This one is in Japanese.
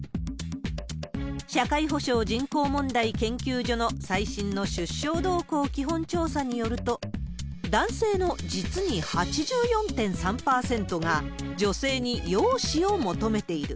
社会保障人口問題研究所の最新の出生動向基本調査によると、男性の実に８４．３％が、女性に容姿を求めている。